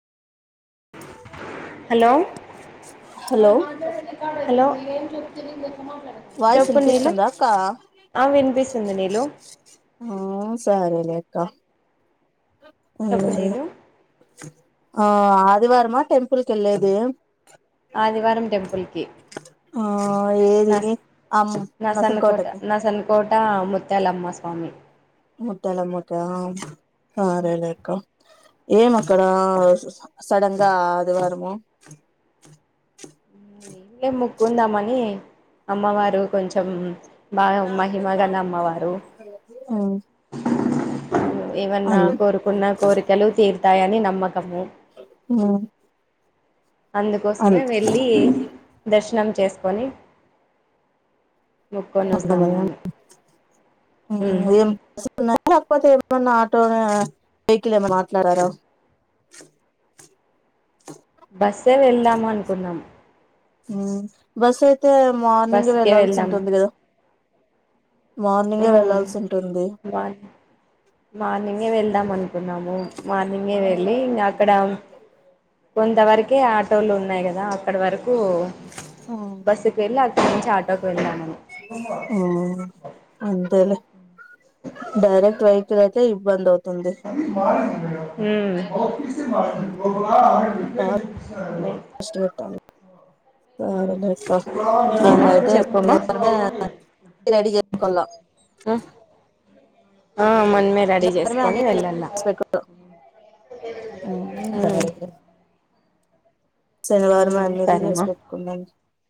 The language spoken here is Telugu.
హలో హలో హలో ఏం చెప్తుది మే వాయిసు వినిపిస్తుందా అక్క ఆ వినిపిస్తుంది నీలు ఆ సరేలేక్క చెప్పు మ్మ్ నీలు ఆ ఆదివారమా టెంపుల్ కి వెళ్ళేది కి ఆ ఏది అమ్ నసన్ కోటకి కోట ముత్యాలమ్మ స్వామి ముట్టాలమ్మాకా సారేలేక్కు ఏ మక్కడ సడన్గా ఆదివారము ఏం లే మోక్కుందామని అమ్మవారు కొంచం బాగా మహిమగన్న అమ్మవారు మ్మ్ ఏవన్నా అన్ కోరుకున్న కోరికలు తీరుతాయని నమ్మకము మ్మ్ అన్ అందుకోసమే వెళ్ళి దర్శనం చేసుకొని మొక్కొని రండి మీర్ వద్దాము గానీ అని [unintelligible] ఉన్నాయి లేకపోతే ఏమన్నా ఆటో వెహికల్ ఏమన్నా మాట్లాడారా బస్సే వెళ్దాము అనుకున్నాం హ్మ్ బస్ తే మార్నింగ్ బస్సుకే వెళ్లాల్సి ఉంటుంది కదా మార్నింగే వెళ్లాల్సి ఉంటుంది మార్ని మార్నింగే వెళ్దాం అనుకున్నాము మార్నింగే వెళ్ళి నాకు ఇక్కడ కొంతవరకే ఆ ఉన్నాయి కదా అక్కడ వరకు ఓ బస్సుక చ ఆటోకి వెళ్దామని ఆ అ డైరక్ట్ వైక్ అయితే ఇ బంద ది మ బఓ ఆ కార్ సరేలేక్కా అంగ ఏమో అయితే చెప్పమ్మా రెడి జెస్కొల్లా ఆ మన్ మె రెడీ జేస్కొని అన్ని వెళ్ళల్ల చేసి పెట్టుకో శనివారం అనేది చేసి సరేమా పెెట్టుకున్నాను